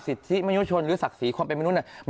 ศิษย์ที่มนุชชนหรือศักดิ์ศรีความเป็นมนุษย์เนี่ย